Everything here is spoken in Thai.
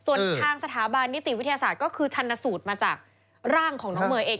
ส่วนทางสถาบันนิติวิทยาศาสตร์ก็คือชันสูตรมาจากร่างของน้องเมย์เอง